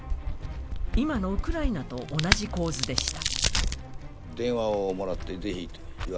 今のウクライナと同じ構図でした。